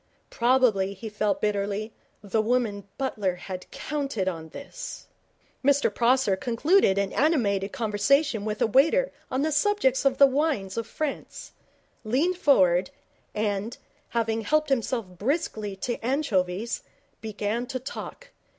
Probably, he felt bitterly, the woman Butler had counted on this. Mr Prosser concluded an animated conversation with a waiter on the subject of the wines of France, leaned forward, and, having helped himself briskly to anchovies, began to talk.